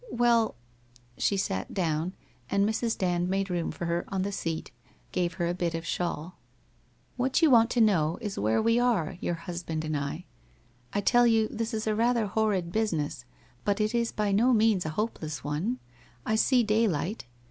Well ' She sat down, and Mrs. Dand made room for her on the seat, gave her a bit of shawl. ' What you want to know is where we arc, your husband and I. I tell you, this is a rather horrid business, but it is by no means a hopeless one. I see daylight.